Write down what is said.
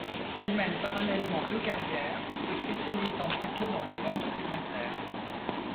Elle mène parallèlement deux carrières, se spécialisant plutôt dans les longs documentaires.